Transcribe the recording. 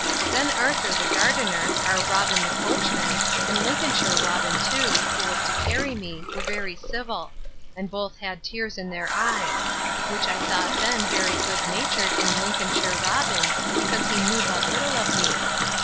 Then Arthur the gardener, our Robin the coachman, and Lincolnshire Robin too, who was to carry me, were very civil; and both had tears in their eyes; which I thought then very good natured in Lincolnshire Robin, because he knew but little of me.